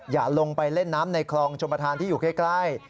อย่าลงไปเล่นน้ำในคลองชมประธานที่อยู่ใกล้